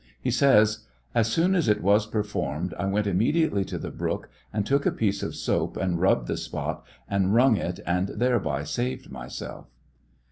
He says : As soon as it was performed, I went immediately to the brook, and took a piece of soap and rubbed the spot, and wrung it, and thereby saved myself.